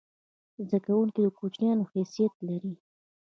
زده کوونکی د کوچنیانو حیثیت لري.